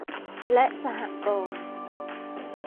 และสหกรณ์